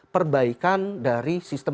perbaikan dari sistem